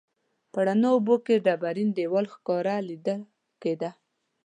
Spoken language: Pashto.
په روڼو اوبو کې ډبرین دیوال ښکاره لیدل کیده.